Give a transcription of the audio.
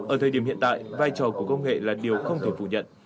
ở thời điểm hiện tại vai trò của công nghệ là điều không thể phủ nhận